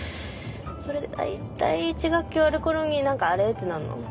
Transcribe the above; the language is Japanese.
それで大体１学期終わるころに何かあれ？ってなんの。